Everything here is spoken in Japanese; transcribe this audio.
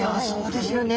そうですよね。